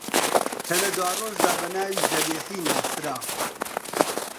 کە لە دواڕۆژدا بە ناوی زەبیحی ناسرا